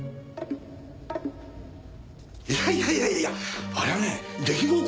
いやいやいやいやあれはね出来心なんですよ。